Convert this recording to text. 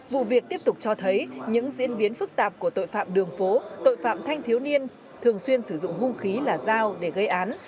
vụ việc tiếp tục cho thấy những diễn biến phức tạp của tội phạm đường phố tội phạm thanh thiếu niên thường xuyên sử dụng hung khí là dao để gây án